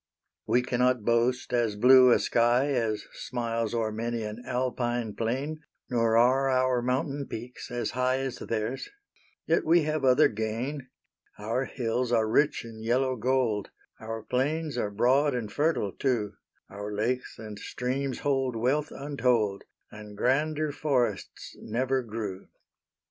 We cannot boast as blue a sky As smiles o'er many an Alpine plain, Nor are our mountain peaks as high As theirs, yet we have other gain; Our hills are rich in yellow gold, Our plains are broad and fertile too; Our lakes and streams hold wealth untold, And grander forests never grew.